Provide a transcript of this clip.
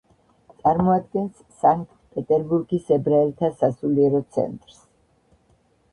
წარმოადგენს სანქტ-პეტერბურგის ებრაელთა სასულიერო ცენტრს.